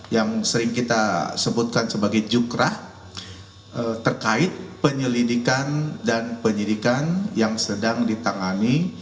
yang sering kita sebutkan sebagai jukrah terkait penyelidikan dan penyidikan yang sedang ditangani